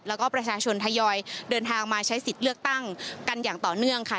แล้วก็ประชาชนทยอยเดินทางมาใช้สิทธิ์เลือกตั้งกันอย่างต่อเนื่องค่ะ